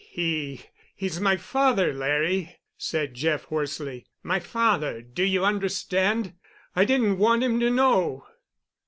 "He—he's my father, Larry," said Jeff hoarsely, "my father—do you understand? I didn't want him to know."